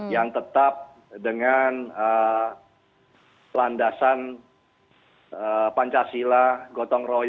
yang tetap dengan landasan pancasila gotong royong di negeri kita ini